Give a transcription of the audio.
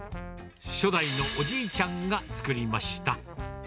初代のおじいちゃんが作りました。